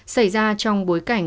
xảy ra trong bối cảnh